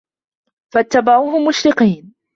فَأَتبَعوهُم مُشرِقينَ